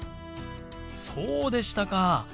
そうでしたか。